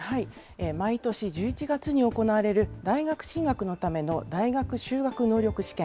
毎年１１月に行われる大学進学のための大学修学能力試験。